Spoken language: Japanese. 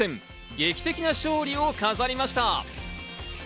劇的な勝利を飾りました。